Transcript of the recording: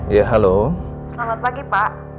ya halo selamat pagi pak